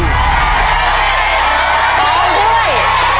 ต้องด้วย